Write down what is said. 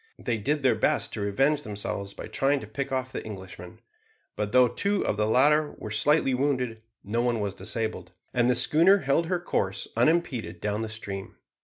They did their best to revenge themselves by trying to pick off the Englishmen; but though two of the latter were slightly wounded, no one was disabled, and the schooner held her course unimpeded down the stream.